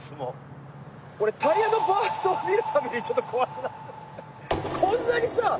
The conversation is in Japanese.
俺タイヤのバースト見るたびにちょっと怖く。